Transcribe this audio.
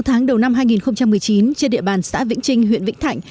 sáu tháng đầu năm hai nghìn một mươi chín trên địa bàn xã vĩnh trinh huyện vĩnh thạnh